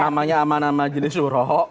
namanya amanah majelis urok